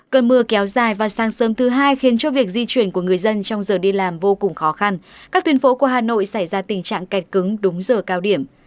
cơn mưa kéo dài và sáng sớm thứ hai khiến cho việc di chuyển của người dân trong giờ đi làm vô cùng khó khăn các tuyên phố của hà nội xảy ra tình trạng kẹt cứng đúng giờ cao điểm